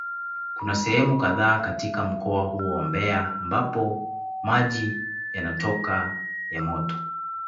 Kuna sehemu kadhaa katika mkoa huo wa Mbeya ambapo maji yanatoka ya moto